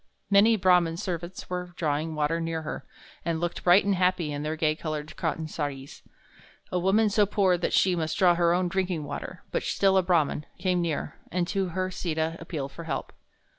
Many Brahman servants were drawing water near her, and looked bright and happy in their gay colored cotton saris. A woman so poor that she must draw her own drinking water, but still a Brahman, came near, and to her Sita appealed for help.